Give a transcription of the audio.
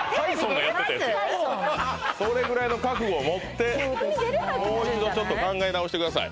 それぐらいの覚悟を持ってもう一度ちょっと考え直してください